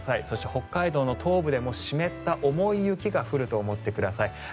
そして北海道の東部でも湿った重い雪が降ると思ってください。